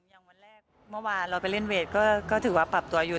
วันแรกคือเราไปเล่นเวทก็ถือว่าปรับตัวอยู่